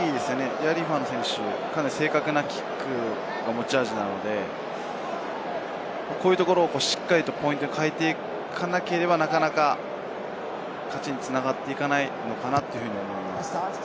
リアリーファノ選手、正確なキックが持ち味なので、こういうところをしっかりとポイントに変えていかなければなかなか勝ちに繋がっていかないのかなと思います。